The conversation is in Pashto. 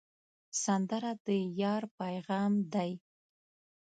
سندره د یار پیغام دی